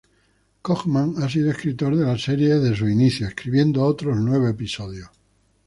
Cogman ha sido escritor de la serie desde sus inicios, escribiendo otros nueve episodios.